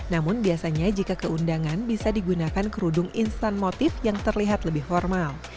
namun biasanya jika keundangan bisa digunakan kerudung instan motif yang terlihat lebih formal